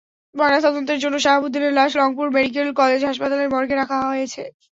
ময়নাতদন্তের জন্য শাহাবুদ্দিনের লাশ রংপুর মেডিকেল কলেজ হাসপাতালের মর্গে রাখা হয়েছে।